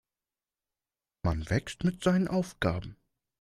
Man wächst mit seinen Aufgaben.